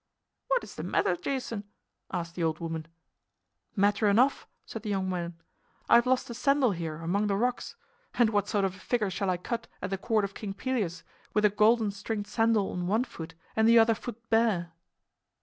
"What is the matter, Jason?" asked the old woman. "Matter enough," said the young man. "I have lost a sandal here among the rocks. And what sort of a figure shall I cut at the court of King Pelias with a golden stringed sandal on one foot and the other foot bare!"